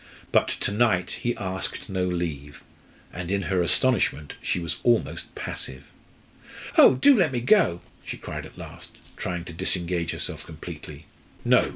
But to night he asked no leave, and in her astonishment she was almost passive. "Oh, do let me go!" she cried at last, trying to disengage herself completely. "No!"